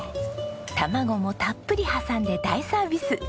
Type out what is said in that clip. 卵もたっぷり挟んで大サービス！